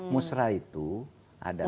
musra itu adalah